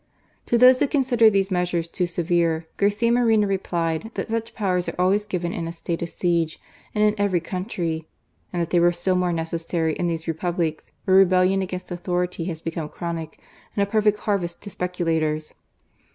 To those who considered these measures too severe, Garcia Moreno replied that such powers are always given in a state of siege, and in every country ;" and that they were still more necessary in these Republics, where rebellion against authority had become chronic and a perfect harvest to speculators.